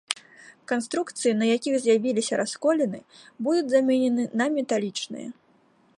Канструкцыі, на якіх з'явіліся расколіны, будуць заменены на металічныя.